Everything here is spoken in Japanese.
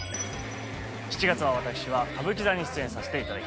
７月私は歌舞伎座に出演させていただきます。